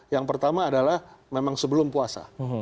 yang pertama adalah memang sebelum puasa